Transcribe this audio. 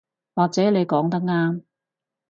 或者你講得啱